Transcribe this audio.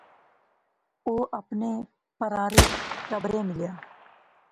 او اپنے پرھاریں ٹبریں ملیا